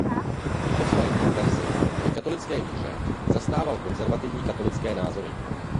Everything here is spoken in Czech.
I po své konverzi ke katolické víře zastával konzervativní katolické názory.